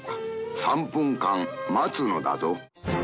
「３分間待つのだぞ」。